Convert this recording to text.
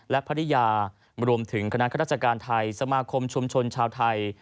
และภรรยารวมถึงคณะข้าราชการไทยสมาคมชุมชนชาวไทย